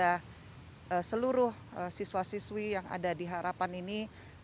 jadi banyak sekali yang kita harapkan kepada seluruh siswa siswi yang ada di harapan ini